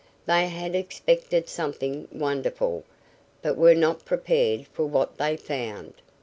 They had expected something wonderful, but were not prepared for what they found.